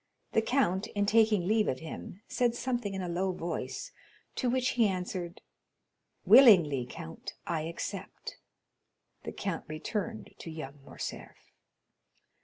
The count, in taking leave of him, said something in a low voice, to which he answered, "Willingly, count; I accept." The count returned to young Morcerf.